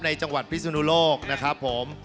จังหวัดพิศนุโลกนะครับผม